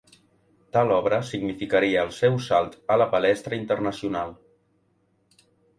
Tal obra significaria el seu salt a la palestra internacional.